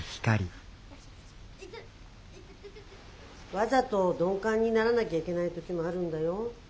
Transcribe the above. わざと鈍感にならなきゃいけない時もあるんだよ。